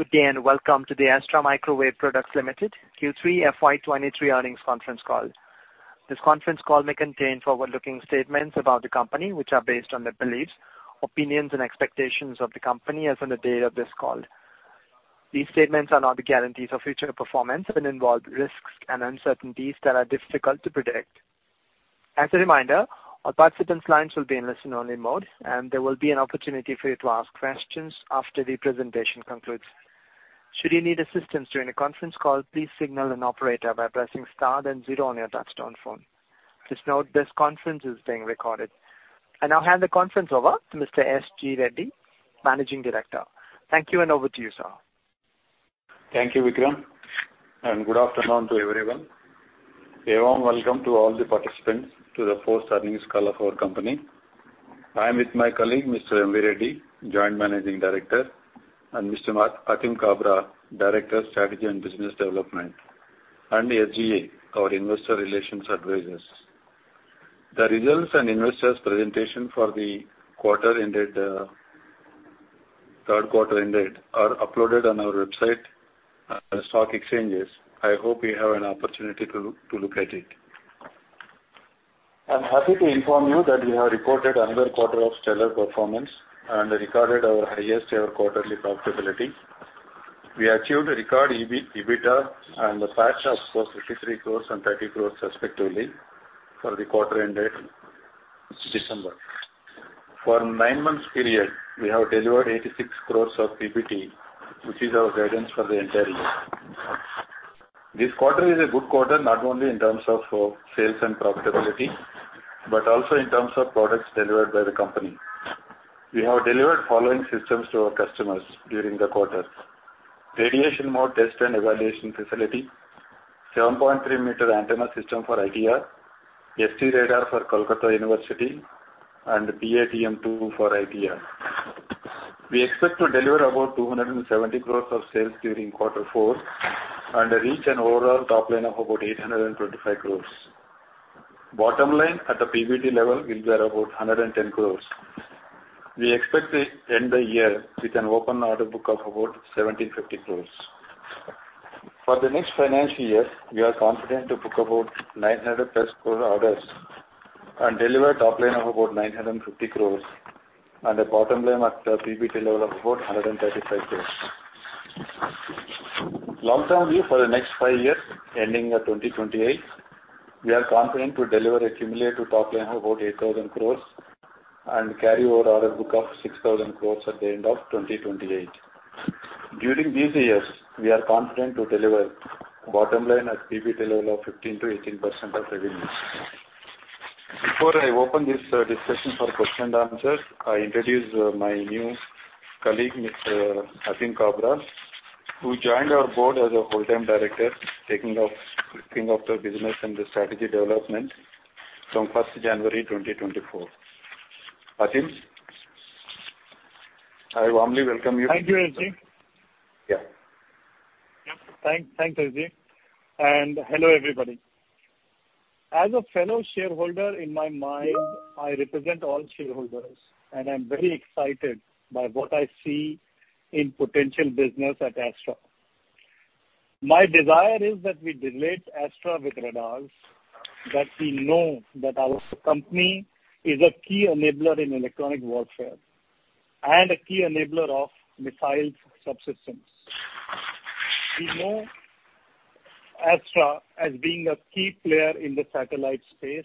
Good day, and welcome to the Astra Microwave Products Limited Q3 FY23 earnings conference call. This conference call may contain forward-looking statements about the company, which are based on the beliefs, opinions, and expectations of the company as on the date of this call. These statements are not guarantees of future performance and involve risks and uncertainties that are difficult to predict. As a reminder, all participant lines will be in listen-only mode, and there will be an opportunity for you to ask questions after the presentation concludes. Should you need assistance during the conference call, please signal an operator by pressing star then zero on your touchtone phone. Please note this conference is being recorded. I now hand the conference over to Mr. S. Gurunatha Reddy, Managing Director. Thank you, and over to you, sir. Thank you, Vikram. Good afternoon to everyone. A warm welcome to all the participants to the fourth earnings call of our company. I am with my colleague, Mr. M. V. Reddy, Joint Managing Director, and Mr. Atim Kabra, Director Strategy and Business Development, and AGA, our investor relations advisors. The results and investors presentation for the quarter ended, third quarter ended are uploaded on our website, stock exchanges. I hope you have an opportunity to look at it. I'm happy to inform you that we have reported another quarter of stellar performance and recorded our highest ever quarterly profitability. We achieved a record EBITDA and PAT of course 53 crores and 30 crores respectively for the quarter ended December. For nine months period, we have delivered 86 crores of PBT, which is our guidance for the entire year. This quarter is a good quarter, not only in terms of sales and profitability, but also in terms of products delivered by the company. We have delivered following systems to our customers during the quarter. Radiation Mode Test and Evaluation Facility, 7.3 meter antenna system for ITR, ST radar for University of Calcutta, and BATM-2 for ITR. We expect to deliver about 270 crores of sales during quarter four and reach an overall top line of about 825 crores. Bottom line at the PBT level will be at about 110 crores. We expect to end the year with an open order book of about 1,750 crores. For the next financial year, we are confident to book about 900+ crore orders and deliver top line of about 950 crores and a bottom line at the PBT level of about 135 crores. Long term view for the next five years ending at 2028, we are confident to deliver a cumulative top line of about 8,000 crores and carry our order book of 6,000 crores at the end of 2028. During these years, we are confident to deliver bottom line at PBT level of 15%-18% of revenues. Before I open this discussion for question and answers, I introduce my new colleague, Mr. Atim Kabra, who joined our board as a taking up of the business and the strategy development from first January 2024. Atim, I warmly welcome you. Thank you, SG. Yeah. Thanks. Thanks, S. G. Hello, everybody. As a fellow shareholder, in my mind, I represent all shareholders, and I'm very excited by what I see in potential business at Astra. My desire is that we relate Astra with radars, that we know that our company is a key enabler in electronic warfare and a key enabler of missile subsystems. We know Astra as being a key player in the satellite space,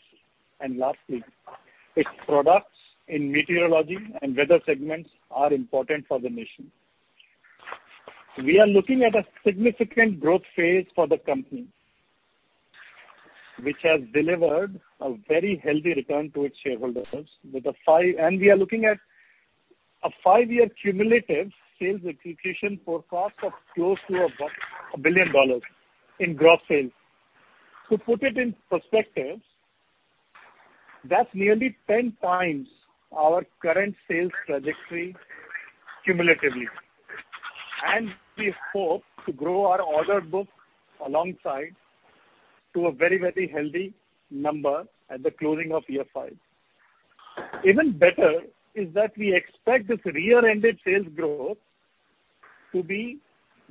and lastly, its products in meteorology and weather segments are important for the nation. We are looking at a significant growth phase for the company, which has delivered a very healthy return to its shareholders. We are looking at a 5-year cumulative sales execution forecast of close to about $1 billion in gross sales. To put it in perspective, that's nearly 10x our current sales trajectory cumulatively. We hope to grow our order book alongside to a very, very healthy number at the closing of year five. Even better is that we expect this year-ended sales growth to be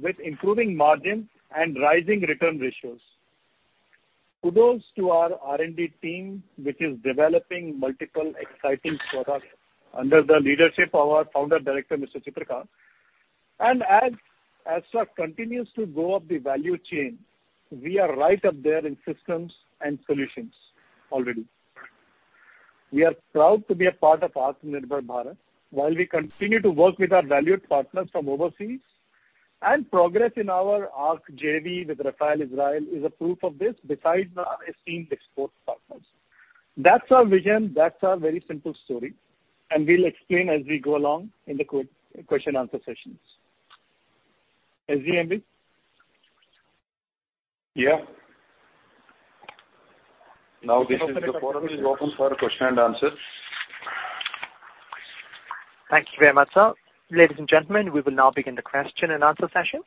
with improving margins and rising return ratios. Kudos to our R&D team, which is developing multiple exciting products under the leadership of our founder director, Mr. Chitrakar. As Astra continues to go up the value chain, we are right up there in systems and solutions already. We are proud to be a part of Atmanirbhar Bharat while we continue to work with our valued partners from overseas. Progress in our ARC JV with Rafael Israel is a proof of this besides our esteemed export partners. That's our vision. That's our very simple story, and we'll explain as we go along in the question and answer sessions. SG, anything? Yeah. Now this. Hope I did not- The forum is open for question and answers. Thank you very much, sir. Ladies and gentlemen, we will now begin the question and answer session.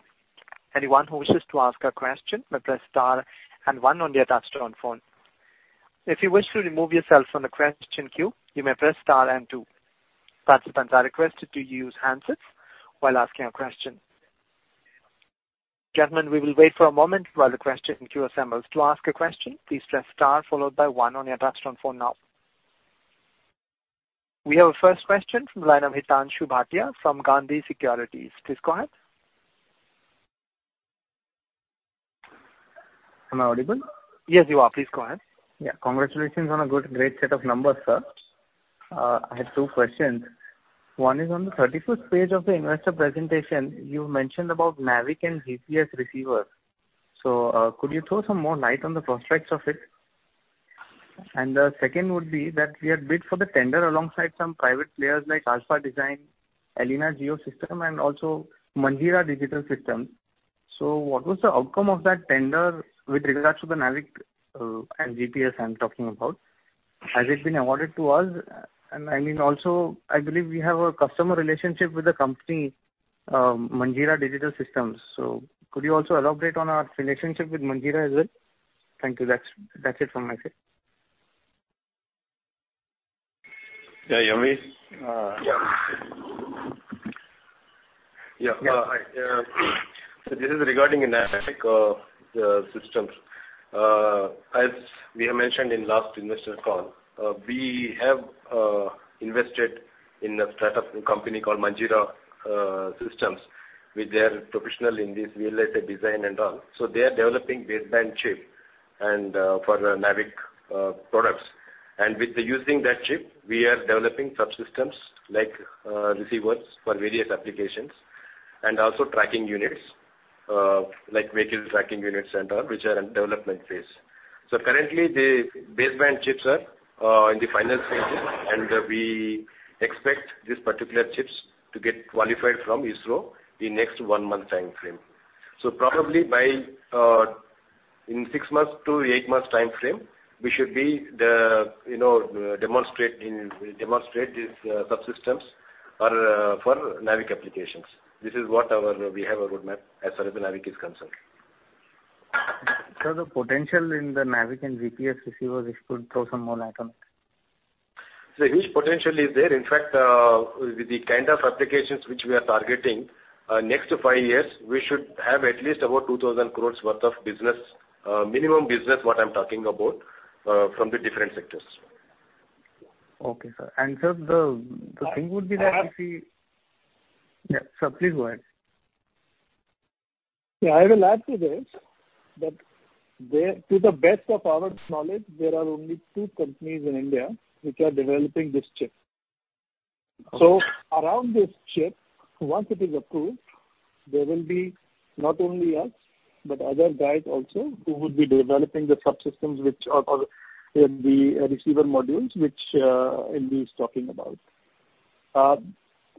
Anyone who wishes to ask a question may press star and one on their touch-tone phone. If you wish to remove yourself from the question queue, you may press star and two. Participants are requested to use handsets while asking a question. Gentlemen, we will wait for a moment while the question queue assembles. To ask a question, please press star followed by one on your touch-tone phone now. We have our first question from the line of Hitanshu Bhatia from Gandhi Securities. Please go ahead. Am I audible? Yes, you are. Please go ahead. Yeah. Congratulations on a good, great set of numbers, sir. I have two questions. One is on the 31st page of the investor presentation, you've mentioned about NavIC and GPS receiver. Could you throw some more light on the prospects of it? The second would be that we had bid for the tender alongside some private players like Alpha Design, Elena Geo Systems, and also Manjeera Digital Systems. What was the outcome of that tender with regards to the NavIC and GPS I'm talking about? Has it been awarded to us? I mean, also, I believe we have a customer relationship with the company, Manjeera Digital Systems. Could you also elaborate on our relationship with Manjeera as well? Thank you. That's it from my side. Yeah, Yeah. This is regarding the NavIC systems. As we have mentioned in last investor call, we have invested in a startup company called Manjeera Systems with their professional in this VLSI design and all. They are developing baseline chip and for the NavIC products. With the using that chip, we are developing subsystems like receivers for various applications and also tracking units, like vehicle tracking units and all which are in development phase. Currently the baseline chips are in the final stages, and we expect these particular chips to get qualified from ISRO in next one-month timeframe. Probably by in six months to eight months timeframe, we should be the, you know, demonstrate these subsystems for NavIC applications. This is what we have a roadmap as far as the NavIC is concerned. The potential in the NavIC and GPS receivers, if you could throw some more light on it? The huge potential is there. In fact, with the kind of applications which we are targeting, next to five years, we should have at least about 2,000 crore worth of business, minimum business what I'm talking about, from the different sectors. Okay, sir. Sir, the thing would be that if. I have- Yeah, sir. Please go ahead. I will add to this, that there, to the best of our knowledge, there are only two companies in India which are developing this chip. Around this chip, once it is approved, there will be not only us, but other guys also who will be developing the subsystems which are the receiver modules which Indie is talking about.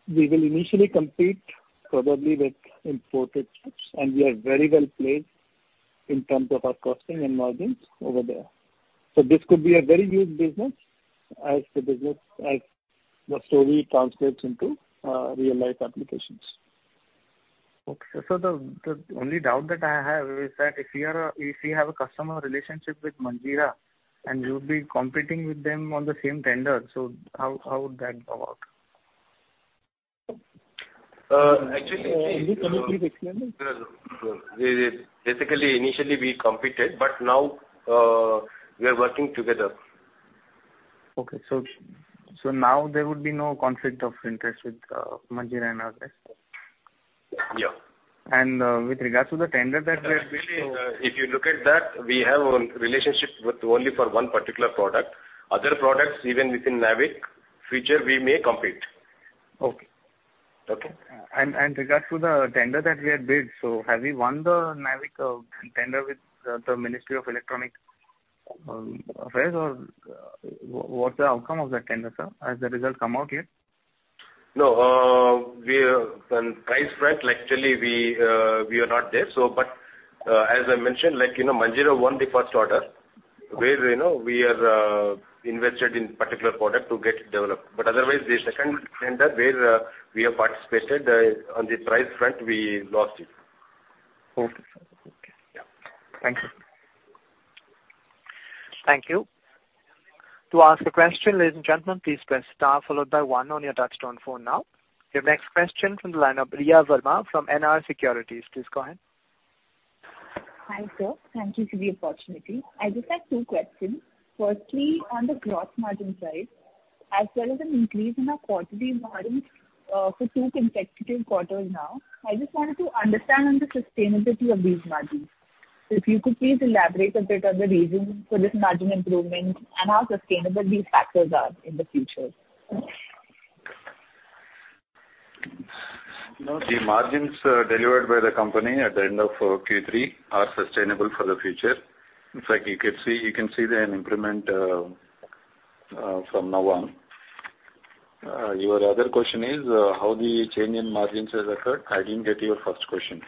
We will initially compete probably with imported chips, and we are very well-placed in terms of our costing and margins over there. This could be a very huge business as the story translates into real-life applications. Okay. The only doubt that I have is that if you have a customer relationship with Manjeera and you'll be competing with them on the same tender, how would that go out? Uh, actually- Indie, can you please explain this? Sure. Basically, initially we competed, but now, we are working together. Okay. now there would be no conflict of interest with, Manjeera and others? Yeah. With regards to the tender. Actually, if you look at that, we have a relationship with only for one particular product. Other products, even within NavIC, future we may compete. Okay. Okay. Regards to the tender that we had bid, have we won the NavIC tender with the Ministry of Electronics Affairs, or what's the outcome of that tender, sir? Has the result come out yet? No. We are... On price front, actually we are not there. As I mentioned, like, you know, Manjeera won the first order where, you know, we are invested in particular product to get it developed. Otherwise the second tender where we have participated on the price front, we lost it. Okay, sir. Okay. Yeah. Thanks. Thank you. To ask a question, ladies and gentlemen, please press star followed by one on your touchtone phone now. Your next question from the line of Riya Verma from NR Securities. Please go ahead. Hi, sir. Thank you for the opportunity. I just have two questions. Firstly, on the growth margin side, as well as an increase in our quarterly margins, for two consecutive quarters now, I just wanted to understand on the sustainability of these margins. If you could please elaborate a bit on the reason for this margin improvement and how sustainable these factors are in the future? The margins delivered by the company at the end of Q3 are sustainable for the future. In fact, you can see the increment from now on. Your other question is how the change in margins has occurred. I didn't get your first question.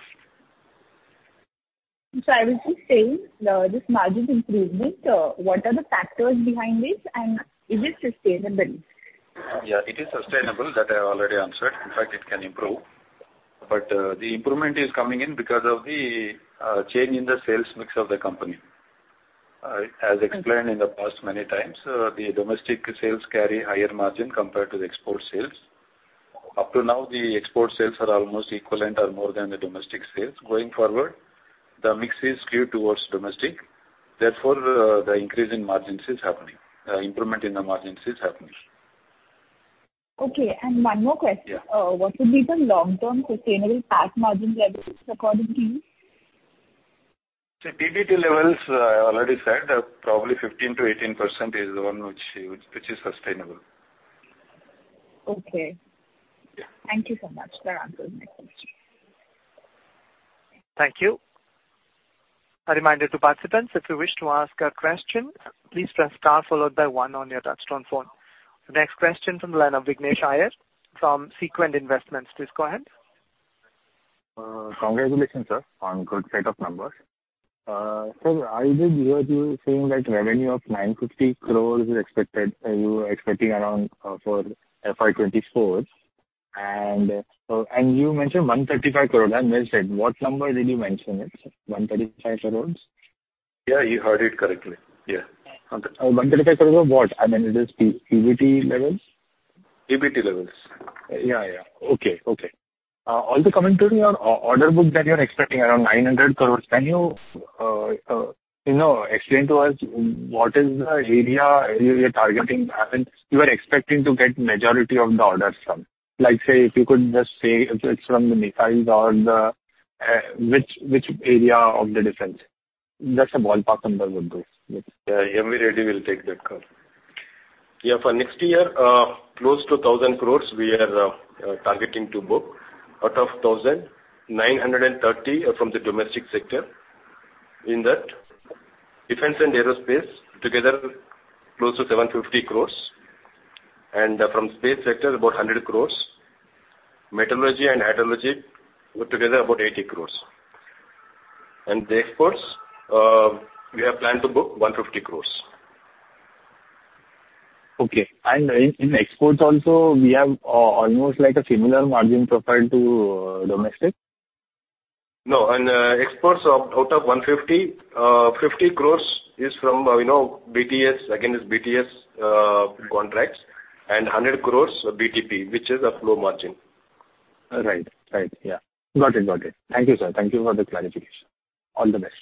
I was just saying, this margin improvement, what are the factors behind this, and is it sustainable? Yeah, it is sustainable. That I already answered. In fact, it can improve. The improvement is coming in because of the change in the sales mix of the company. As explained in the past many times, the domestic sales carry higher margin compared to the export sales. Up to now, the export sales are almost equivalent or more than the domestic sales. Going forward, the mix is skewed towards domestic, therefore, the increase in margins is happening. Improvement in the margins is happening. Okay. One more question. Yeah. What would be the long-term sustainable PAT margin levels according to you? The PBT levels, I already said, are probably 15%-18% is the one which is sustainable. Okay. Yeah. Thank you so much. That answers my question. Thank you. A reminder to participants, if you wish to ask a question, please press star followed by two on your touchtone phone. The next question from the line of Vignesh Iyer from Sequent Investments. Please go ahead. Congratulations, sir, on good set of numbers. Sir, I did hear you saying that revenue of 950 crores is expected, you were expecting around for FY24. You mentioned 135 crore. I'm a little said, what number did you mention it? 135 crores? Yeah, you heard it correctly. Yeah. Okay. 135 crore what? I mean, it is PBT levels? PBT levels. Yeah. Okay. Also coming to your order book that you're expecting around 900 crores, can you know, explain to us what is the area you're targeting? I mean, you are expecting to get majority of the orders from. Like, say if you could just say if it's from the NavIC or the which area of the defense. Just a ballpark number would do. Yeah. M. Reddy will take that call. For next year, close to 1,000 crores we are targeting to book. Out of 1,000 crores, 930 crores are from the domestic sector. In that, defense and aerospace together close to 750 crores. From space sector, about 100 crores. Meteorology and hydrology were together about 80 crores. The exports, we have planned to book 150 crores. Okay. In exports also we have almost like a similar margin profile to domestic? No. In exports of out of 150, 50 crores is from, you know, BTS, again is BTS, contracts, and 100 crores BTP, which is a low margin. Right. Right. Yeah. Got it. Got it. Thank you, sir. Thank you for the clarification. All the best.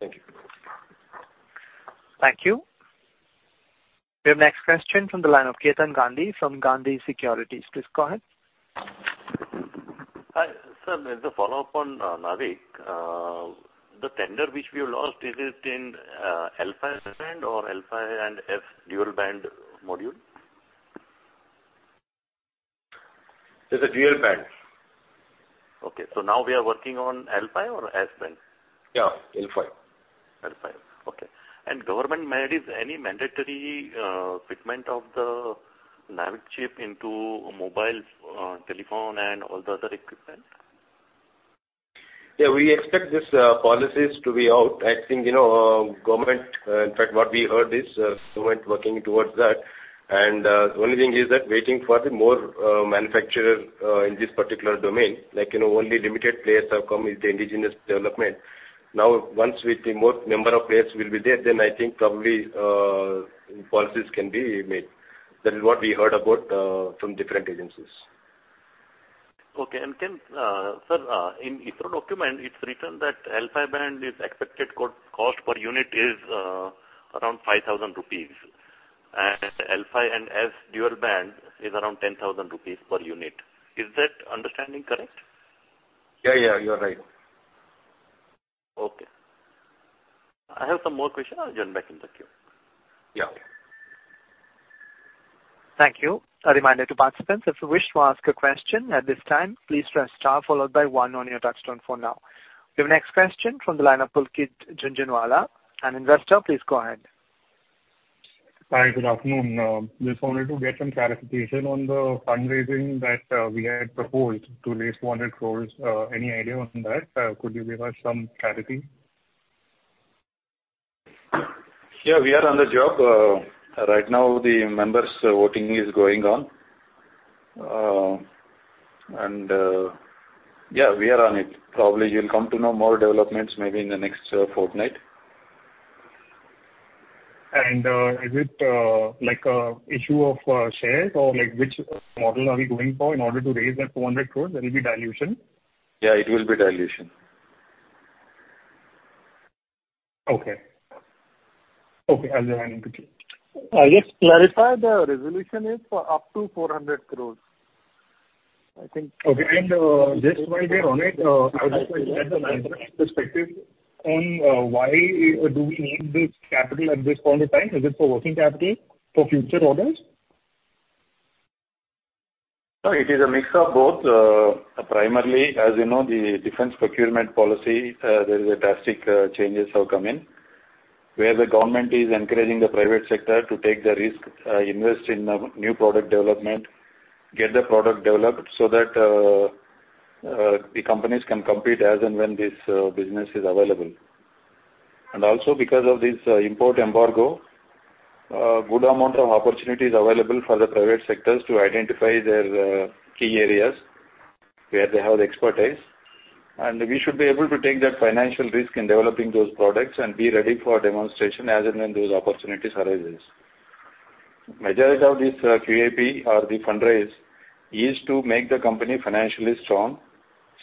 Thank you. Thank you. The next question from the line of Ketan Gandhi from Gandhi Securities. Please go ahead. Hi. Sir, as a follow-up on NavIC, the tender which we lost, is it in L5 band or L5 and S dual band module? It's a dual band. Okay. Now we are working on L5 or S band? Yeah, L5. L5. Okay. government made is any mandatory equipment of the NavIC chip into mobile telephone and all the other equipment? Yeah, we expect this policies to be out. I think, you know, government, in fact, what we heard is government working towards that. Only thing is that waiting for the more manufacturer in this particular domain, like, you know, only limited players have come with the indigenous development. Once with the more number of players will be there, then I think probably policies can be made. That is what we heard about from different agencies. Okay. Can sir, in ISRO document, it's written that L5 band is expected co-cost per unit is around 5,000 rupees. L5 and S dual band is around 10,000 rupees per unit. Is that understanding correct? Yeah, yeah, you are right. Okay. I have some more questions. I'll join back in the queue. Yeah. Thank you. A reminder to participants, if you wish to ask a question at this time, please press star followed by 1 on your touchtone phone now. Your next question from the line of Pulkit Jhunjhunwala, an investor. Please go ahead. Hi. Good afternoon. Just wanted to get some clarification on the fundraising that we had proposed to raise 400 crores. Any idea on that? Could you give us some clarity? Yeah, we are on the job. Right now the members voting is going on. Yeah, we are on it. Probably you'll come to know more developments maybe in the next fortnight. Is it like a issue of shares or like which model are we going for in order to raise that 400 crores? There will be dilution. Yeah, it will be dilution. Okay. Okay. I'll join in the queue. I just clarify the resolution is for up to 400 crores. Okay. Just while we're on it, I would just like to get the management perspective on, why do we need this capital at this point of time? Is it for working capital for future orders? No, it is a mix of both. Primarily, as you know, the Defence Acquisition Procedure, there is a drastic changes have come in, where the government is encouraging the private sector to take the risk, invest in new product development, get the product developed so that the companies can compete as and when this business is available. Also because of this import embargo, good amount of opportunities available for the private sectors to identify their key areas where they have the expertise. We should be able to take that financial risk in developing those products and be ready for demonstration as and when those opportunities arises. Majority of this QIP or the fundraise is to make the company financially strong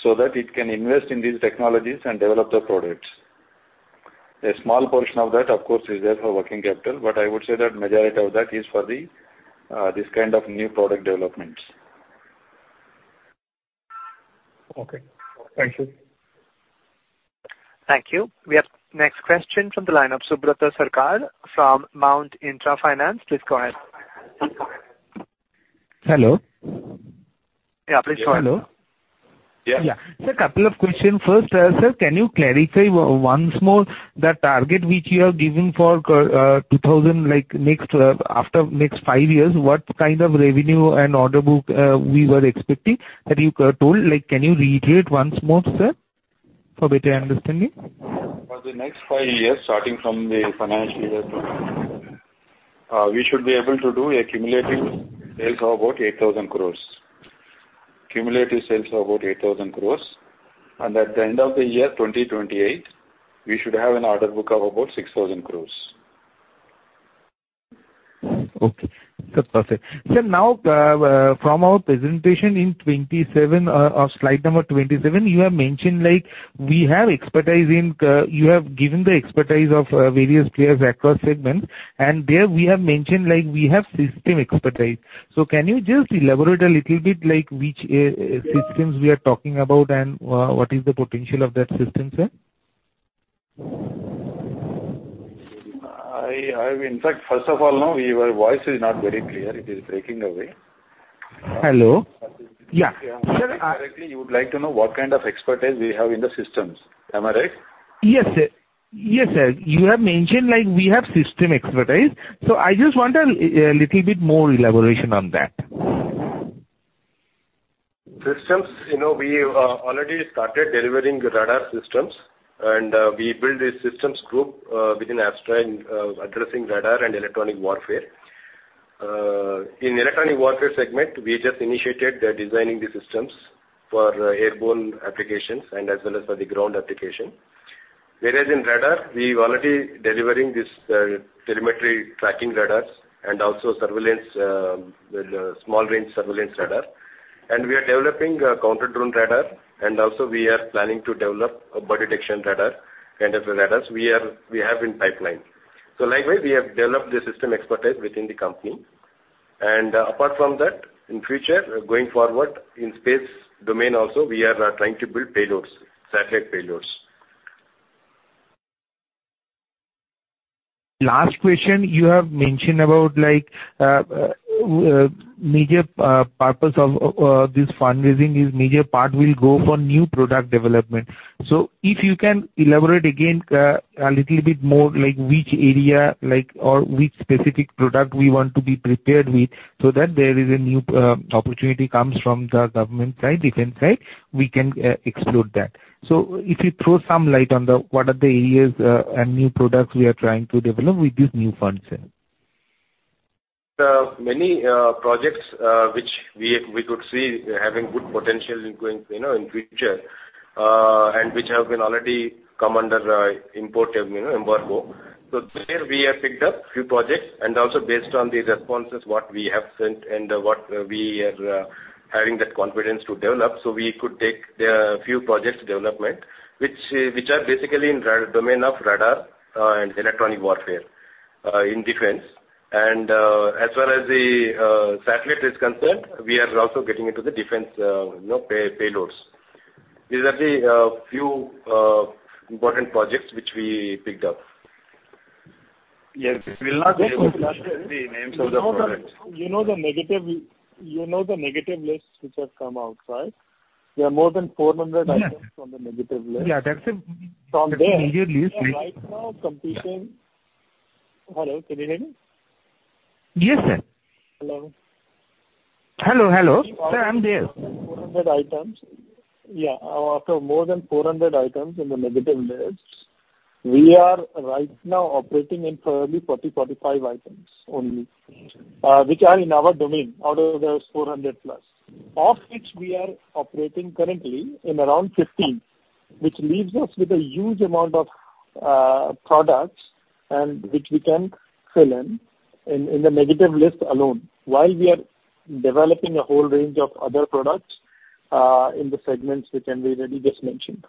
so that it can invest in these technologies and develop the products. A small portion of that, of course, is there for working capital. I would say that majority of that is for the this kind of new product developments. Okay. Thank you. Thank you. We have next question from the line of Subrata Sarkar from Mount Intra Finance. Please go ahead. Hello? Yeah, please go ahead. Hello? Yeah. Yeah. Sir, couple of questions. First, sir, can you clarify once more the target which you have given for 2000, like next, after next five years, what kind of revenue and order book, we were expecting that you told? Like, can you reiterate once more, sir, for better understanding? For the next five years, starting from the financial year, we should be able to do a cumulative sales of about 8,000 crore. At the end of the year, 2028, we should have an order book of about 6,000 crore. Okay. That's perfect. Sir, from our presentation in 27, or slide number 27, you have mentioned like we have expertise in, you have given the expertise of various players across segments, and there we have mentioned like we have system expertise. Can you just elaborate a little bit like which systems we are talking about and what is the potential of that system, sir? In fact, first of all, no, your voice is not very clear. It is breaking away. Hello? Yeah. Sir, Correctly, you would like to know what kind of expertise we have in the systems. Am I right? Yes, sir. Yes, sir. You have mentioned like we have system expertise, I just want a little bit more elaboration on that. Systems, you know, we already started delivering radar systems and we build a systems group within Astra and addressing radar and electronic warfare. In electronic warfare segment, we just initiated the designing the systems for airborne applications and as well as for the ground application. Whereas in radar, we already delivering this telemetry tracking radars and also surveillance, with small range surveillance radar. And we are developing a counter-drone radar, and also we are planning to develop a bird detection radar, kind of radars we have in pipeline. Likewise, we have developed the system expertise within the company. And apart from that, in future, going forward in space domain also, we are trying to build payloads, satellite payloads. Last question, you have mentioned about like, major purpose of this fundraising is major part will go for new product development. If you can elaborate again, a little bit more like which area like or which specific product we want to be prepared with so that there is a new opportunity comes from the government side, defense side, we can explore that? If you throw some light on the what are the areas and new products we are trying to develop with this new funds, sir? The many projects which we could see having good potential in going, you know, in future, and which have been already come under import, you know, embargo. There we have picked up few projects and also based on the responses what we have sent and what we are having that confidence to develop, so we could take the few projects development, which are basically in domain of radar and electronic warfare in defense. As well as the satellite is concerned, we are also getting into the defense, you know, payloads. These are the few important projects which we picked up. Yes, we'll not be able to tell the names of the products. You know the negative list which has come outside? There are more than 400 items. Yeah. from the negative list. Yeah, that's... From there- major list. We are right now competing... Hello, can you hear me? Yes, sir. Hello. Hello, hello. Sir, I'm there. 400 items. Yeah. After more than 400 items in the negative list, we are right now operating in probably 40, 45 items only, which are in our domain out of those 400+. Of which we are operating currently in around 15, which leaves us with a huge amount of products and which we can fill in the negative list alone, while we are developing a whole range of other products in the segments which Henry already just mentioned.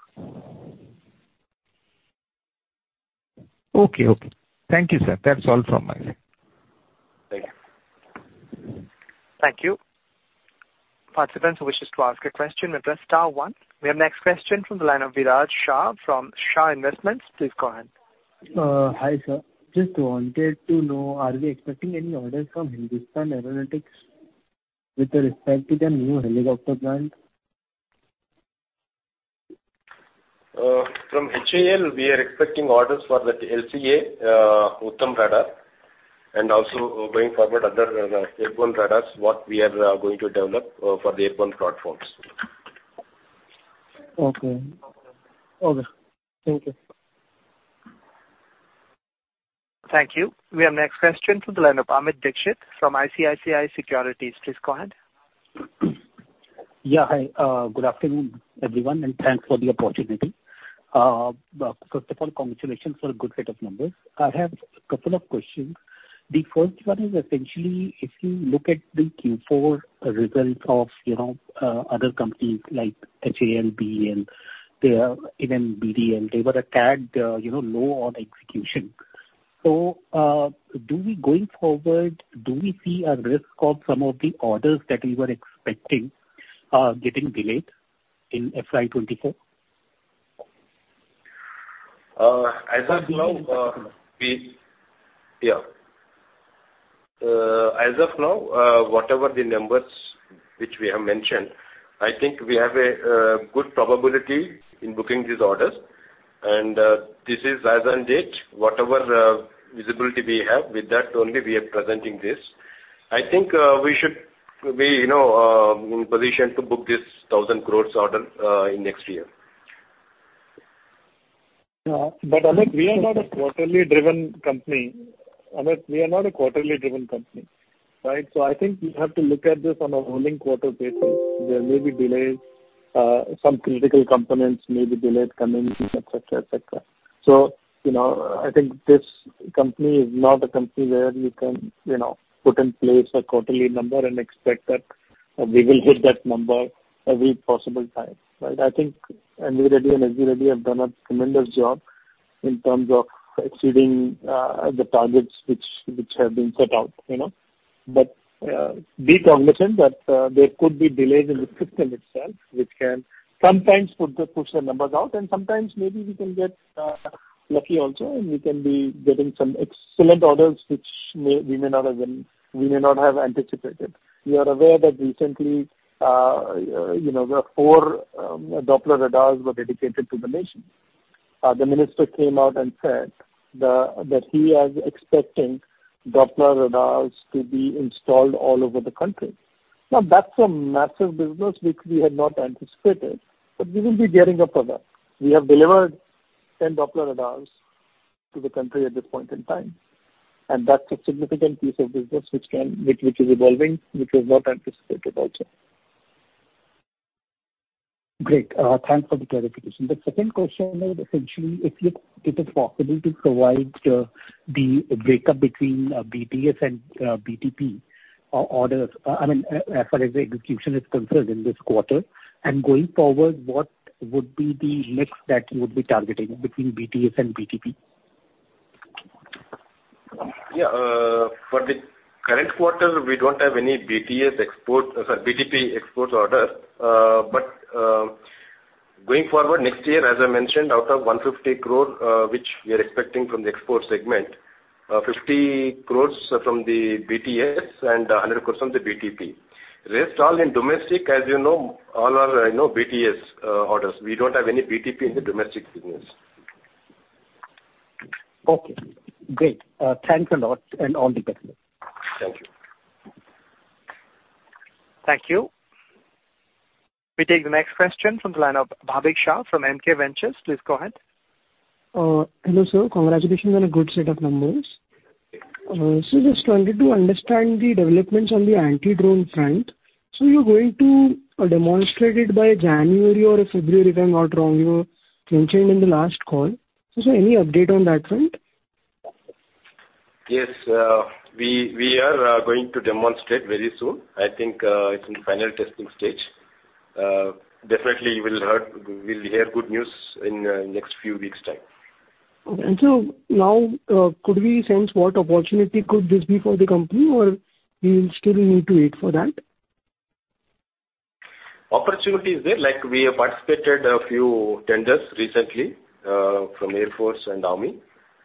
Okay. Okay. Thank you, sir. That's all from my end. Thank you. Thank you. Participants who wishes to ask a question may press star one. We have next question from the line of Viral Shah from Shah Investments. Please go ahead. Hi sir. Just wanted to know, are we expecting any orders from Hindustan Aeronautics with respect to the new helicopter plant? From HAL, we are expecting orders for the LCA, Uttam radar, and also going forward, other, airborne radars what we are going to develop, for the airborne platforms. Okay. Okay. Thank you. Thank you. We have next question from the line of Amit Dixit from ICICI Securities. Please go ahead. Hi. Good afternoon, everyone, and thanks for the opportunity. First of all, congratulations for a good set of numbers. I have a couple of questions. The first one is essentially if you look at the Q4 results of, you know, other companies like HAL, BEL, they are even BDL, they were a tag, you know, low on execution. Do we going forward, do we see a risk of some of the orders that we were expecting, getting delayed in FY 24? As of now, whatever the numbers which we have mentioned, I think we have a good probability in booking these orders. This is as on date, whatever visibility we have, with that only we are presenting this. I think we should be, you know, in position to book this 1,000 crores order in next year. But Amit, we are not a quarterly driven company. Amit, we are not a quarterly driven company, right? I think you have to look at this on a rolling quarter basis. There may be delays, some critical components may be delayed coming, et cetera. You know, I think this company is not a company where you can, you know, put in place a quarterly number and expect that we will hit that number every possible time, right? I think Aniruddha and Sridhar have done a tremendous job in terms of exceeding the targets which have been set out, you know. Be cognizant that there could be delays in the system itself, which can sometimes push the numbers out, and sometimes maybe we can get lucky also, and we can be getting some excellent orders which we may not have anticipated. You are aware that recently, you know, the four Doppler radars were dedicated to the nation. The minister came out and said that he is expecting Doppler radars to be installed all over the country. Now, that's a massive business which we had not anticipated, but we will be gearing up for that. We have delivered 10 Doppler radars to the country at this point in time, and that's a significant piece of business which is evolving, which was not anticipated also. Great. Thanks for the clarification. The second question is essentially if it is possible to provide the breakup between BTS and BTP orders, I mean, as far as the execution is concerned in this quarter. Going forward, what would be the mix that you would be targeting between BTS and BTP? Yeah. For the current quarter, we don't have any BTS export, sorry, BTP exports order. Going forward next year, as I mentioned, out of 150 crore, which we are expecting from the export segment, 50 crore from the BTS and 100 crore from the BTP. Rest all in domestic, as you know, all are, you know, BTS orders. We don't have any BTP in the domestic business. Okay, great. Thanks a lot, and all the best. Thank you. Thank you. We take the next question from the line of Bhavik Shah from MK Ventures. Please go ahead. Hello, sir. Congratulations on a good set of numbers. Just wanted to understand the developments on the anti-drone front. You're going to demonstrate it by January or February, if I'm not wrong, you mentioned in the last call. Sir, any update on that front? Yes. We are going to demonstrate very soon. I think it's in the final testing stage. Definitely you will hear good news in next few weeks' time. Okay. Now, could we sense what opportunity could this be for the company, or we still need to wait for that? Opportunity is there. Like, we have participated a few tenders recently, from Air Force and Army.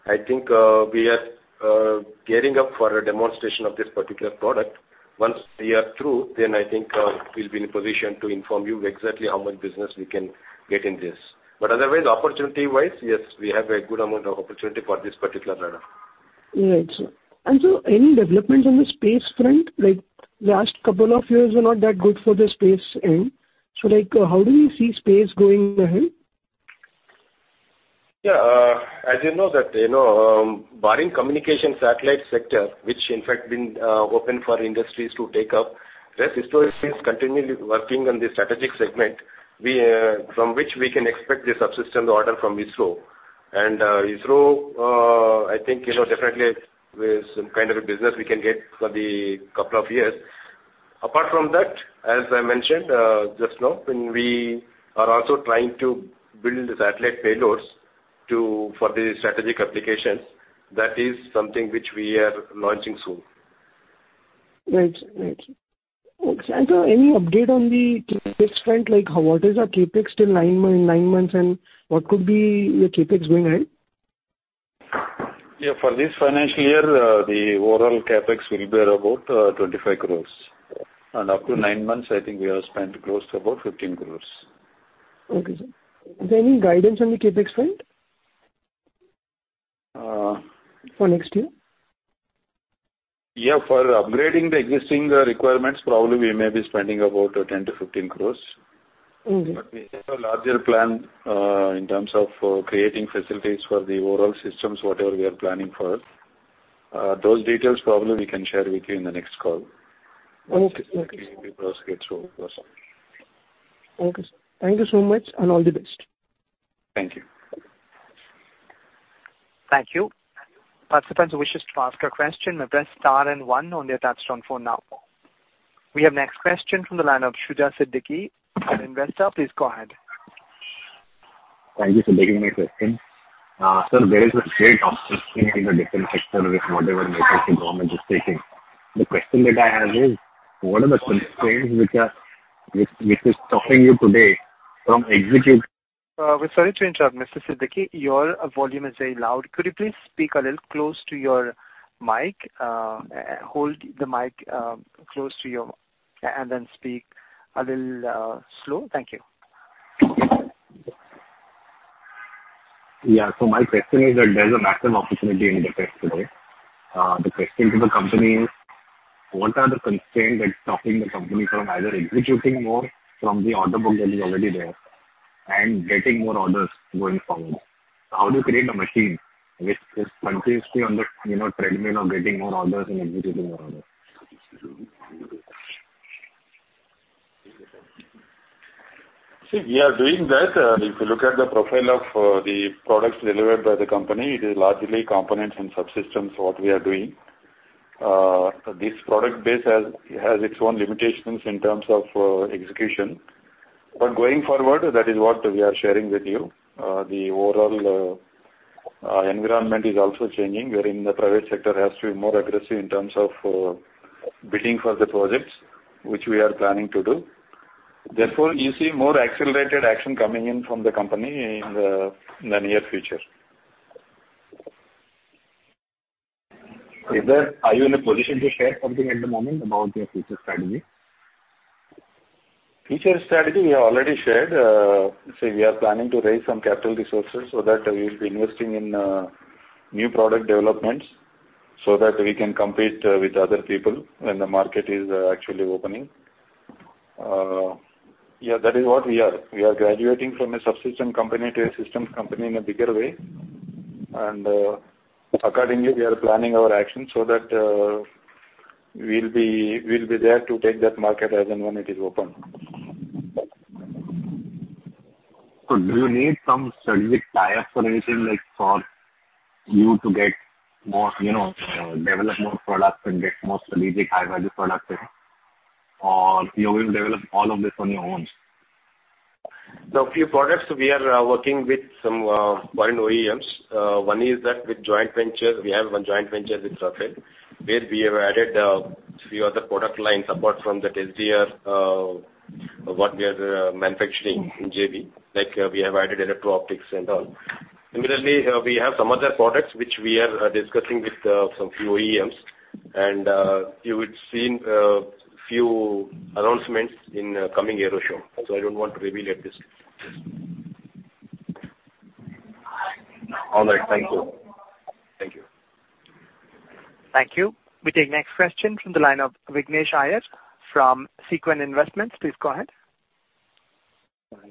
I think, we are gearing up for a demonstration of this particular product. Once we are through, then I think, we'll be in a position to inform you exactly how much business we can get in this. Otherwise, opportunity-wise, yes, we have a good amount of opportunity for this particular radar. Right, sir. Any developments on the space front? Like, last couple of years were not that good for the space end. Like, how do you see space going ahead? As you know that, you know, barring communication satellite sector, which in fact been open for industries to take up, Rest ISRO is continually working on the strategic segment, we, from which we can expect the subsystems order from ISRO. ISRO, I think, you know, definitely is some kind of a business we can get for the couple of years. Apart from that, as I mentioned, just now, when we are also trying to build satellite payloads to, for the strategic applications, that is something which we are launching soon. Right. Right. Okay. Any update on the CapEx front? Like what is our CapEx till in nine months, and what could be your CapEx going ahead? Yeah. For this financial year, the overall CapEx will be around about 25 crores. Up to nine months, I think we have spent close to about 15 crores. Okay, sir. Is there any guidance on the CapEx front? For next year? For upgrading the existing requirements, probably we may be spending about 10-15 crores. Mm-hmm. We have a larger plan in terms of creating facilities for the overall systems, whatever we are planning for. Those details probably we can share with you in the next call. Okay. We proceed so. Okay. Thank you so much, and all the best. Thank you. Thank you. Thank you. Participants who wishes to ask a question may press star one on their touchtone phone now. We have next question from the line of Shuja Siddiqui, an investor. Please go ahead. Thank you for taking my question. Sir, there is a great opportunity in the defense sector with whatever measures the government is taking. The question that I have is: What are the constraints which are stopping you today from executing... We're sorry to interrupt, Mr. Siddiqui. Your volume is very loud. Could you please speak a little close to your mic? Hold the mic. Speak a little slow. Thank you. Yeah. My question is that there's a maximum opportunity in defence today. The question to the company is: What are the constraints that's stopping the company from either executing more from the order book that is already there and getting more orders going forward? How do you create a machine which is continuously on the, you know, treadmill of getting more orders and executing more orders? See, we are doing that. If you look at the profile of the products delivered by the company, it is largely components and subsystems what we are doing. This product base has its own limitations in terms of execution. Going forward, that is what we are sharing with you. The overall environment is also changing, wherein the private sector has to be more aggressive in terms of bidding for the projects which we are planning to do. You see more accelerated action coming in from the company in the near future. Are you in a position to share something at the moment about your future strategy? Future strategy we have already shared. We are planning to raise some capital resources so that we'll be investing in new product developments, so that we can compete with other people when the market is actually opening. Yeah, that is what we are. We are graduating from a subsystem company to a systems company in a bigger way. Accordingly, we are planning our actions so that we'll be there to take that market as and when it is open. Do you need some strategic tie-ups or anything like for you to get more, you know, develop more products and get more strategic high-value products in? Or you will develop all of this on your own? A few products we are working with some foreign OEMs. One is that with joint ventures. We have one joint venture with Rafael, where we have added a few other product lines apart from the SDR, what we are manufacturing in JV. Like, we have added electro-optics and all. Similarly, we have some other products which we are discussing with some few OEMs. You would see few announcements in coming Aero India. I don't want to reveal at this stage. All right. Thank you. Thank you. Thank you. We take next question from the line of Vignesh Iyer from Sequent Investments. Please go ahead.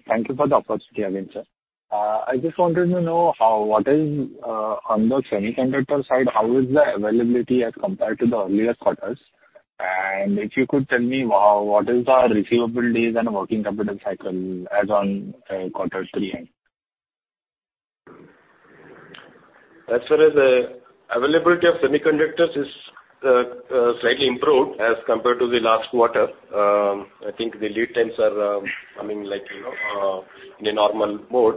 Thank you for the opportunity again, sir. I just wanted to know what is on the semiconductor side, how is the availability as compared to the earlier quarters? If you could tell me what is the receivable days and working capital cycle as on, quarter three end? As far as availability of semiconductors is slightly improved as compared to the last quarter. I think the lead times are coming like, you know, in a normal mode.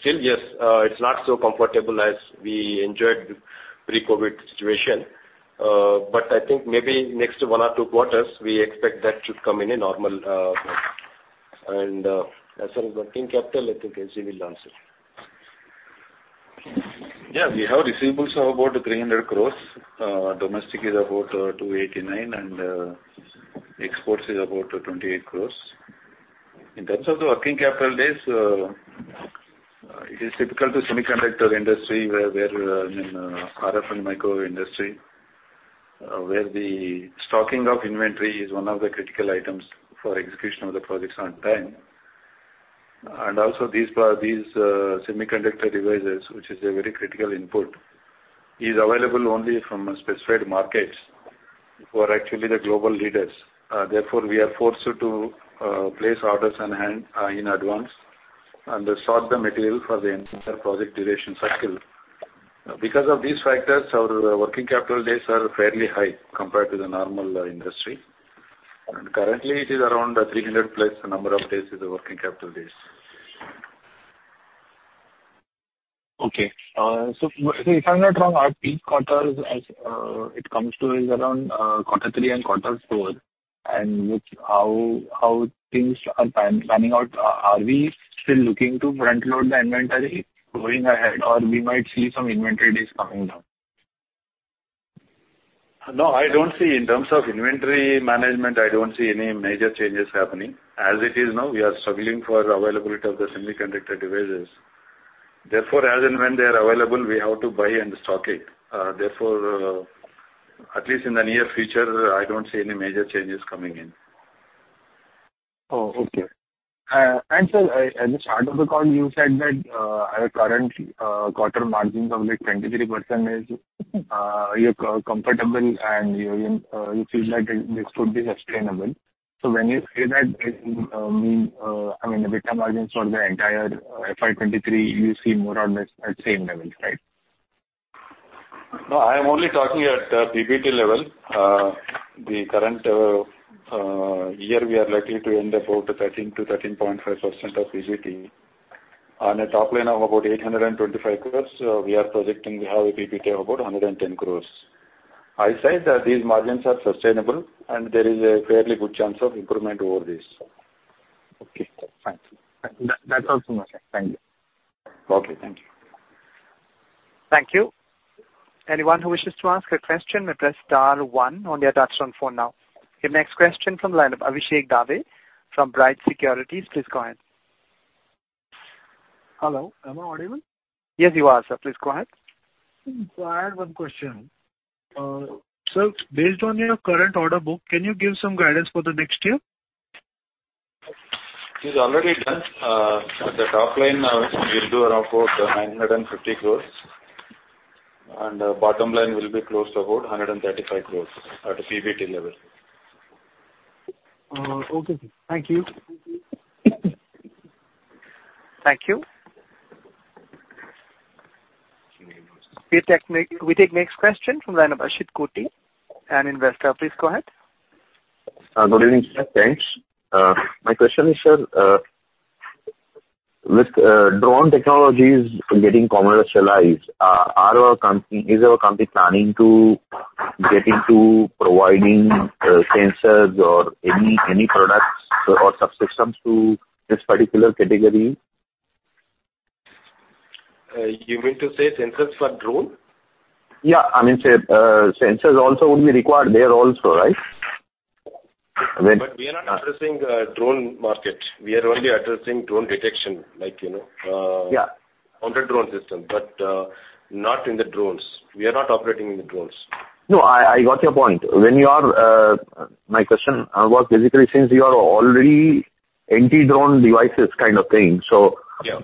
Still, yes, it's not so comfortable as we enjoyed pre-COVID situation. I think maybe next one or two quarters, we expect that should come in a normal mode. As far as working capital, I think AJ will answer. We have receivables of about 300 crore. Domestic is about 289 crore, and exports is about 28 crore. In terms of the working capital days, it is typical to semiconductor industry where, I mean, RF and micro industry, where the stocking of inventory is one of the critical items for execution of the projects on time. Also these semiconductor devices, which is a very critical input, is available only from specified markets who are actually the global leaders. Therefore, we are forced to place orders on hand in advance and assort the material for the entire project duration cycle. Because of these factors, our working capital days are fairly high compared to the normal industry. Currently it is around, 300+ number of days is the working capital days. If I'm not wrong, our peak quarters as it comes to is around quarter three and quarter four. With how things are planning out, are we still looking to front-load the inventory going ahead or we might see some inventory days coming down? No, I don't see. In terms of inventory management, I don't see any major changes happening. As it is now, we are struggling for availability of the semiconductor devices. Therefore, as and when they are available, we have to buy and stock it. Therefore, at least in the near future, I don't see any major changes coming in. Okay. Sir, at the start of the call you said that our current quarter margins of, like, 23% is you're comfortable and you feel like this could be sustainable. When you say that, I mean, the EBITDA margins for the entire FY 2023, you see more or less at same levels, right? I am only talking at PBT level. The current year we are likely to end about 13%-13.5% of PBT. On a top line of about 825 crores, we are projecting we have a PBT of about 110 crores. I say that these margins are sustainable, and there is a fairly good chance of improvement over this. Okay, thanks. That's all from my side. Thank you. Okay, thank you. Thank you. Anyone who wishes to ask a question may press star one on their touchtone phone now. The next question from line of Abhishek Dave from Bright Securities. Please go ahead. Hello, am I audible? Yes, you are, sir. Please go ahead. I have one question. Sir, based on your current order book, can you give some guidance for the next year? It is already done. At the top line, we'll do around about, 950 crores. Bottom line will be close to about 135 crores at a PBT level. Okay. Thank you. Thank you. We take next question from line of Ashit Kothari, an investor. Please go ahead. Good evening, sir. Thanks. My question is, sir, with drone technologies getting commercialized, is our company planning to get into providing sensors or any products or subsystems to this particular category? You mean to say sensors for drone? I mean, say, sensors also would be required there also, right? We are not addressing, drone market. We are only addressing drone detection, like, you know. Yeah Counter-drone system, but not in the drones. We are not operating in the drones. I got your point. When you are... My question was basically since you are already anti-drone devices kind of thing. Yeah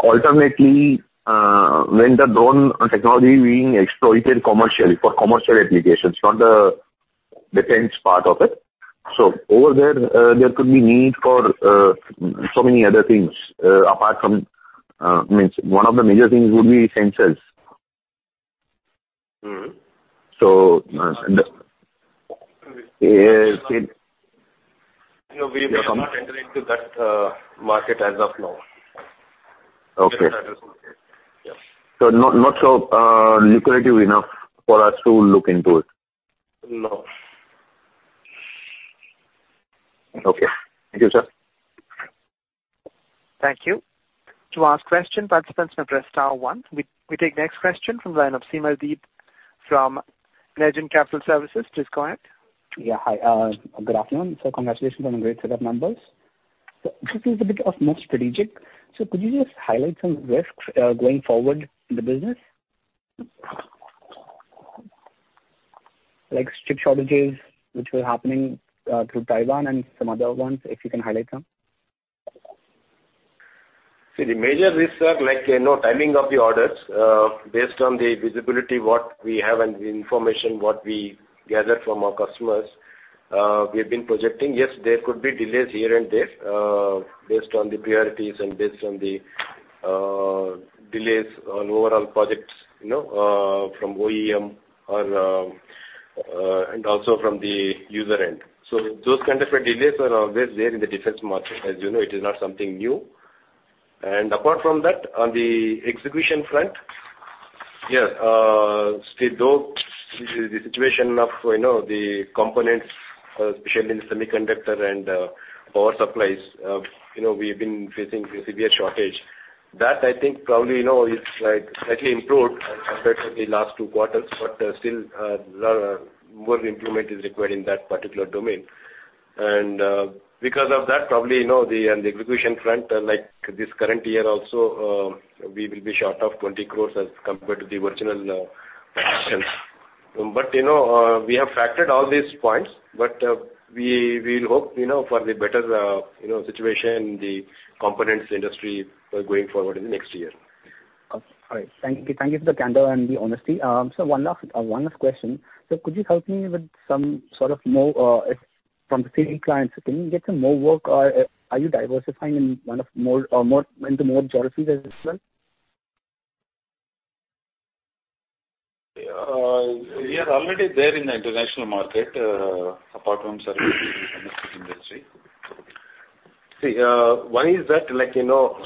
Alternately, when the drone technology being exploited commercially for commercial applications, not the defense part of it. Over there could be need for so many other things apart from means one of the major things would be sensors. Mm-hmm. So, uh, the, uh, it- We are not entering to that market as of now. Okay. We are addressing it. Yeah. so lucrative enough for us to look into it? No. Okay. Thank you, sir. Thank you. To ask question, participants may press star one. We take next question from line of Seema Deep from Legend Capital Services. Please go ahead. Yeah. Hi, good afternoon. Congratulations on a great set of numbers. This is a bit of more strategic. Could you just highlight some risks, going forward in the business? Like chip shortages which were happening, through Taiwan and some other ones, if you can highlight some? See, the major risks are like, you know, timing of the orders. Based on the visibility, what we have and the information what we gather from our customers, we've been projecting, yes, there could be delays here and there, based on the priorities and based on the delays on overall projects, you know, from OEM or and also from the user end. Those kinds of delays are always there in the defense market. As you know, it is not something new. Apart from that, on the execution front, yeah, still though the situation of, you know, the components, especially in semiconductor and power supplies, you know, we've been facing a severe shortage. I think probably, you know, is, like, slightly improved as compared to the last two quarters, but still more improvement is required in that particular domain. Because of that, probably, you know, in the execution front, like this current year also, we will be short of 20 crores as compared to the original projections. You know, we have factored all these points, but we'll hope, you know, for the better, you know, situation in the components industry, going forward in the next year. All right. Thank you. Thank you for the candor and the honesty. One last question. Could you help me with some sort of more, from the same clients, can you get some more work or, are you diversifying into more geographies as well? We are already there in the international market, apart from serving the domestic industry. See, one is that, like, you know,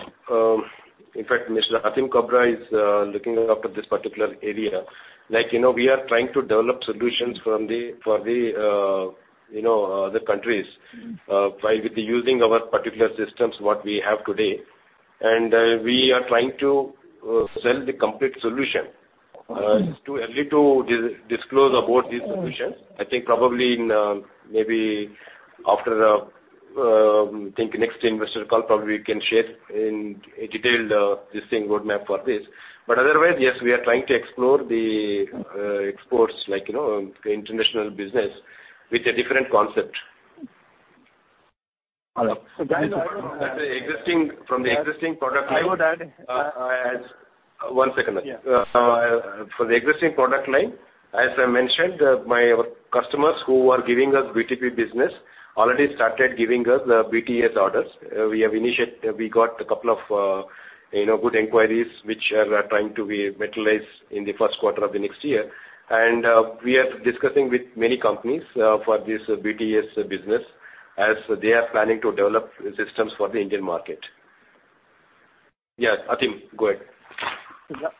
in fact, Mr. Atim Kabra is looking after this particular area. Like, you know, we are trying to develop solutions from the, for the, you know, the countries, by with using our particular systems what we have today. We are trying to sell the complete solution. It's too early to disclose about these solutions. I think probably in, maybe after the, I think next investor call, probably we can share in a detailed, distinct roadmap for this. Otherwise, yes, we are trying to explore the exports like, you know, international business with a different concept. Hello. From the existing product line- I would add. One second. Yeah. For the existing product line, as I mentioned, my customers who are giving us BTP business already started giving us BTS orders. We got a couple of, you know, good inquiries which are trying to be materialized in the first quarter of the next year. We are discussing with many companies for this BTS business as they are planning to develop systems for the Indian market. Yes, Atim, go ahead. Yeah.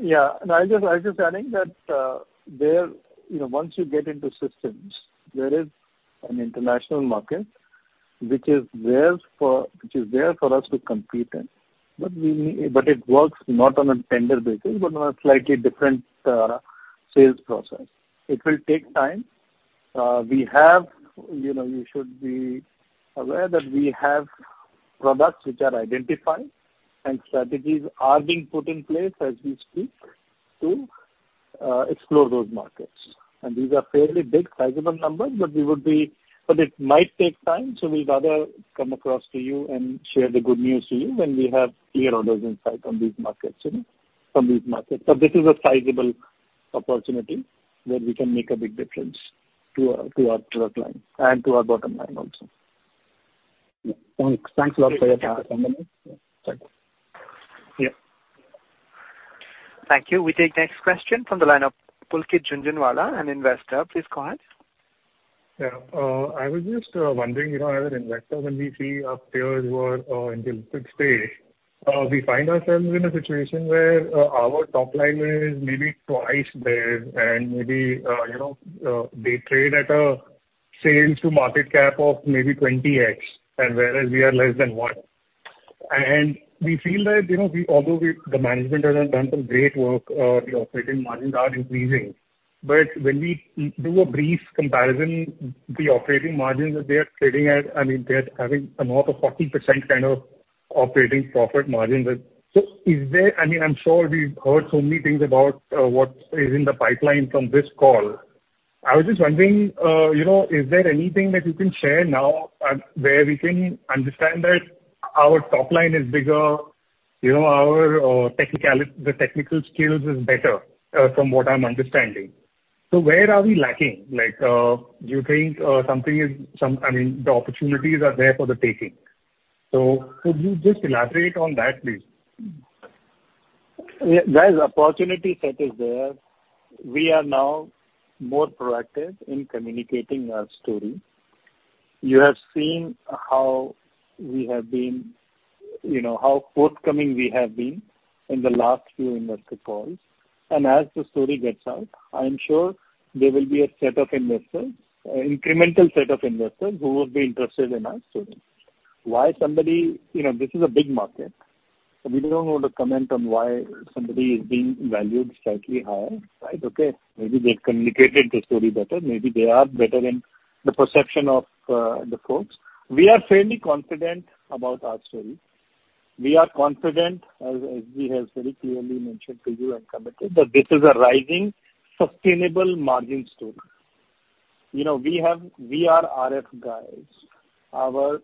Yeah. I was just adding that, there, you know, once you get into systems, there is an international market which is there for us to compete in. We need. It works not on a tender basis, but on a slightly different sales process. It will take time. We have, you know, you should be aware that we have products which are identified and strategies are being put in place as we speak to explore those markets. These are fairly big sizable numbers, but we would be. It might take time, so we'd rather come across to you and share the good news to you when we have clear orders in sight on these markets, you know, from these markets. This is a sizable opportunity where we can make a big difference to our clients and to our bottom line also. Yeah. Thanks a lot for your time. Yeah. Thank you. We take next question from the line of Pulkit Jhunjhunwala, an investor. Please go ahead. Yeah. I was just wondering, you know, as an investor, when we see our peers who are into lipstick stage, we find ourselves in a situation where our top line is maybe twice theirs and maybe, you know, they trade at a sales to market cap of maybe 20x, and whereas we are less than 1. We feel that, you know, we although the management has done some great work, the operating margins are increasing. When we do a brief comparison, the operating margins that they are trading at, I mean, they're having a north of 40% kind of operating profit margin. I mean, I'm sure we've heard so many things about what is in the pipeline from this call. I was just wondering, you know, is there anything that you can share now where we can understand that our top line is bigger, you know, our the technical skills is better, from what I'm understanding? Where are we lacking? Like, do you think something is? I mean, the opportunities are there for the taking. Could you just elaborate on that, please? Guys, opportunity set is there. We are now more proactive in communicating our story. You have seen how we have been, you know, how forthcoming we have been in the last few investor calls. As the story gets out, I am sure there will be a set of investors, incremental set of investors who would be interested in our story. Why somebody. You know, this is a big market. We don't want to comment on why somebody is being valued slightly higher. Right? Okay. Maybe they've communicated their story better. Maybe they are better in the perception of the folks. We are fairly confident about our story. We are confident, as we have very clearly mentioned to you and committed, that this is a rising sustainable margin story. You know, we are RF guys. Our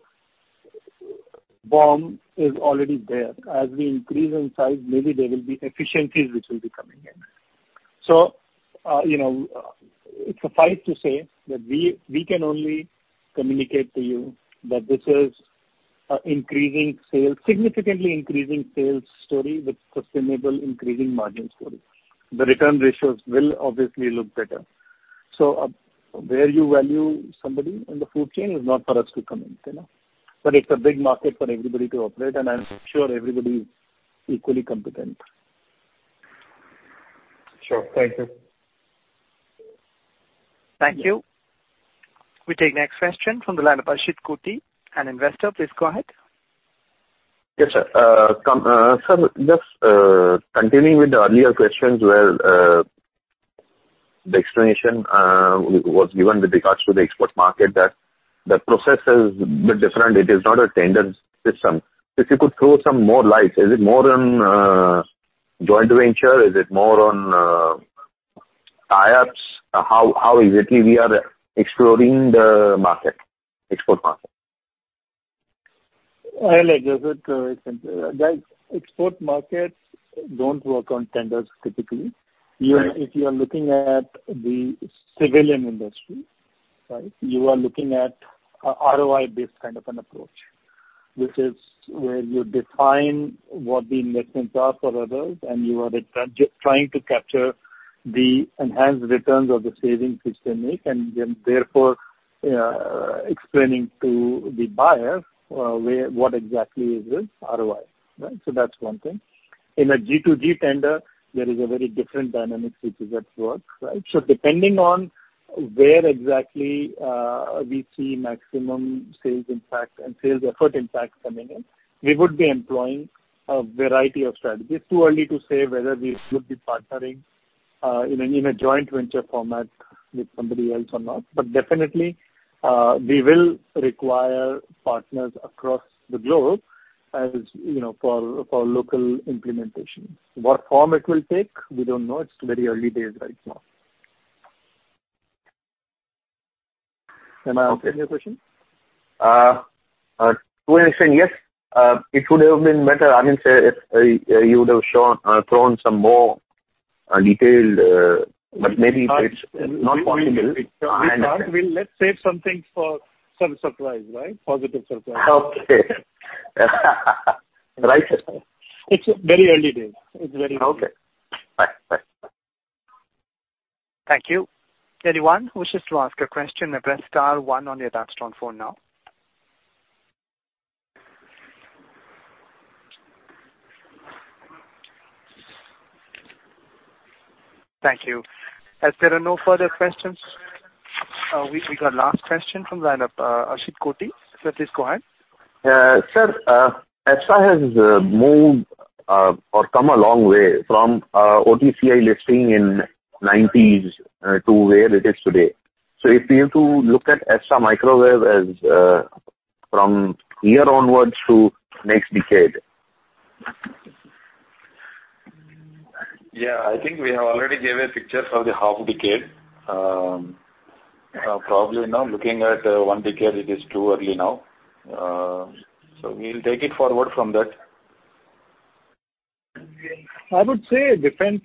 BOM is already there. As we increase in size, maybe there will be efficiencies which will be coming in. You know, suffice to say that we can only communicate to you that this is a increasing sales, significantly increasing sales story with sustainable increasing margin story. The return ratios will obviously look better. Where you value somebody in the food chain is not for us to comment, you know. It's a big market for everybody to operate, and I'm sure everybody is equally competent. Sure. Thank you. Thank you. We take next question from the line of Ashit Kothari, an investor. Please go ahead. Yes, sir. come, sir, just continuing with the earlier questions where the explanation was given with regards to the export market, that the process is bit different. It is not a tender system. If you could throw some more light, is it more on joint venture? Is it more on IAPS? How exactly we are exploring the market, export market? I'll address it. guys, export markets don't work on tenders typically. Right. If you are looking at the civilian industry, right? You are looking at an ROI based kind of an approach. Which is where you define what the investments are for others, and you are trying to capture the enhanced returns or the savings which they make, and then therefore, explaining to the buyer, what exactly is this ROI, right? That's one thing. In a G2G tender, there is a very different dynamic which is at work, right? Depending on where exactly we see maximum sales impact and sales effort impact coming in. We would be employing a variety of strategies. Too early to say whether we would be partnering, in a joint venture format with somebody else or not. Definitely, we will require partners across the globe, as, you know, for local implementation. What form it will take, we don't know. It's very early days right now. Am I answering your question? To an extent, yes. It would have been better, I mean, say, if you would have shown or thrown some more detailed, but maybe it's not possible. We can't. We'll let's save something for some surprise, right? Positive surprise. Okay. Right. It's very early days. It's very early. Okay. Bye. Bye. Thank you. Anyone who wishes to ask a question, may press star one on your touchtone phone now. Thank you. As there are no further questions, we got last question from the line of Ashik Koti. Sir, please go ahead. Sir, Astra has moved or come a long way from OTCEI listing in nineties to where it is today. If we have to look at Astra Microwave as from here onwards to next decade. Yeah, I think we have already gave a picture for the half decade. Probably now looking at one decade, it is too early now. We'll take it forward from that. I would say defense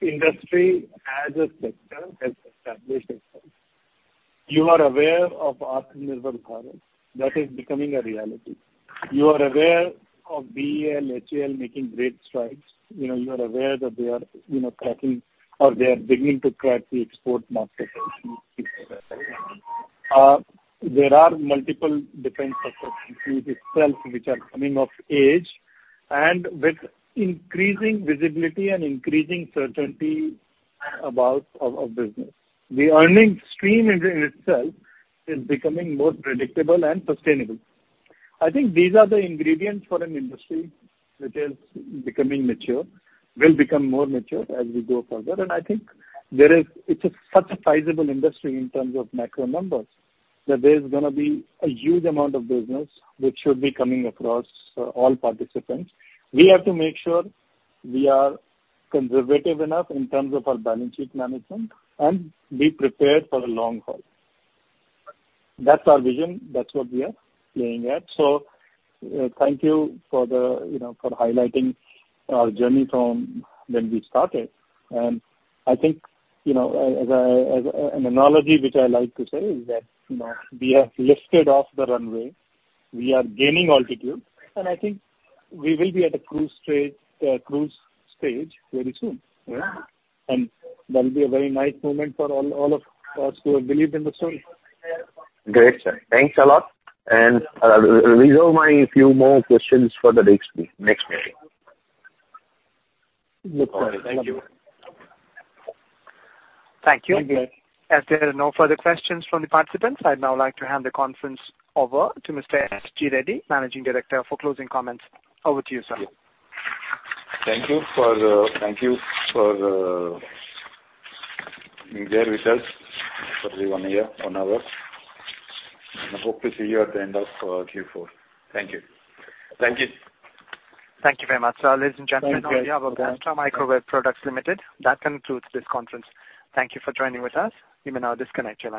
industry as a sector has established itself. You are aware of Atmanirbhar Bharat. That is becoming a reality. You are aware of BEL, HAL making great strides. You know, you are aware that they are, you know, cracking or they are beginning to crack the export market. There are multiple defense sectors including itself which are coming of age. With increasing visibility and increasing certainty about our business, the earning stream in itself is becoming more predictable and sustainable. I think these are the ingredients for an industry which is becoming mature, will become more mature as we go further. I think it's a such a sizable industry in terms of macro numbers, that there's gonna be a huge amount of business which should be coming across all participants. We have to make sure we are conservative enough in terms of our balance sheet management and be prepared for the long haul. That's our vision. That's what we are playing at. Thank you for the, you know, for highlighting our journey from when we started. I think, you know, as I, as an analogy which I like to say is that, you know, we have lifted off the runway. We are gaining altitude. I think we will be at a cruise stage very soon. Yeah. That will be a very nice moment for all of us who have believed in the story. Great, sir. Thanks a lot. I'll reserve my few more questions for the next meeting. Good. Thank you. Thank you. Thank you. As there are no further questions from the participants, I'd now like to hand the conference over to Mr. S.G Reddy, Managing Director, for closing comments. Over to you, sir. Thank you for being there with us for the one hour. I hope to see you at the end of Q4. Thank you. Thank you. Thank you very much. Thanks, guys. On behalf of Astra Microwave Products Limited, that concludes this conference. Thank you for joining with us. You may now disconnect your lines.